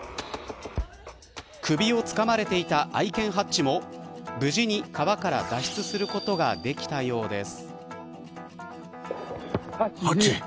首をつかまれていた愛犬ハッチも無事に川から脱出することができたようです。